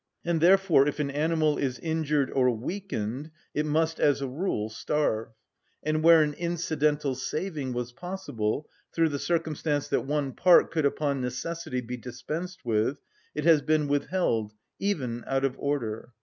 And, therefore, if an animal is injured or weakened it must, as a rule, starve. And where an incidental saving was possible, through the circumstance that one part could upon necessity be dispensed with, it has been withheld, even out of order.